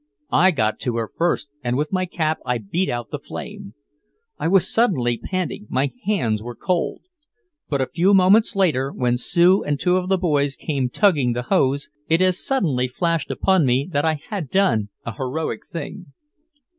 I got to her first and with my cap I beat out the flame. I was suddenly panting, my hands were cold. But a few moments later, when Sue and two of the boys came tugging the hose, it as suddenly flashed upon me that I had done a heroic thing.